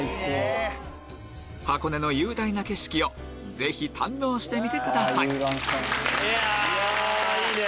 箱根の雄大な景色をぜひ堪能してみてくださいいやいいね！